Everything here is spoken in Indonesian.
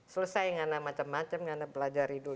selesai gak ada macam macam gak ada pelajar hidup